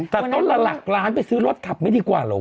แต่ต้นละหลักล้านไปซื้อรถขับไม่ดีกว่าเหรอ